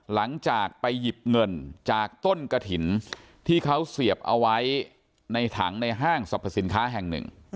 หลังจากไปหยิบเงินจากต้นกระถิ่นที่เขาเสียบเอาไว้ในถังในห้างสรรพสินค้าแห่งหนึ่ง